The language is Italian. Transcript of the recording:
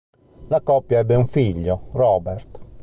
La coppia ebbe un figlio, Robert.